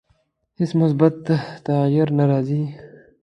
هیڅ مثبت تغییر نه راځي.